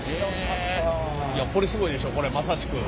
これすごいでしょこれはまさしく。